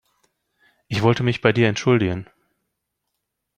Ich wollte mich bei dir entschuldigen.